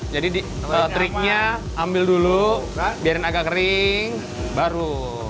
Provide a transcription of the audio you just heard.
jadi triknya ambil dulu biarkan agak kering baru